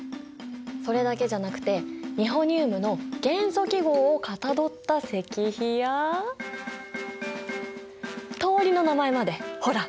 それだけじゃなくてニホニウムの元素記号をかたどった石碑や通りの名前までほら！